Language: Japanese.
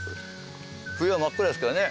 冬は真っ暗ですからね